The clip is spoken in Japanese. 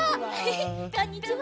こんにちは！